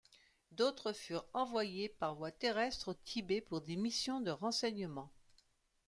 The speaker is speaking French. D'autres furent envoyés par voie terrestre au Tibet pour des missions de renseignement.